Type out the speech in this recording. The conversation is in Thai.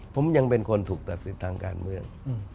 ผมยังเป็นคนถูกตัดสิทธิ์ทางการเมือง